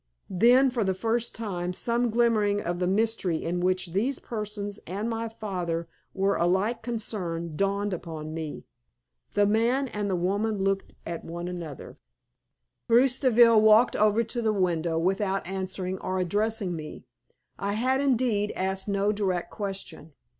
Then, for the first time, some glimmering of the mystery in which these persons and my father were alike concerned dawned upon me. The man and the women looked at one another; Bruce Deville walked over to the window without answering or addressing me. I had, indeed, asked no direct question.